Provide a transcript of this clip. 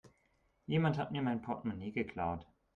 Jemand hat mir mein Portmonee geklaut.